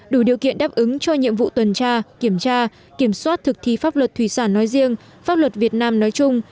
đủ điều kiện đáp ứng cho nhiệm vụ tuần tra kiểm tra kiểm soát thực thi pháp luật thủy sản nói riêng pháp luật việt nam nói chung